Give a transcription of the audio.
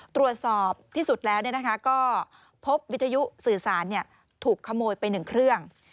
ตรวจสอบที่สุดแล้วก็พบวิทยุสื่อสารถูกขโมยไป๑เครื่อง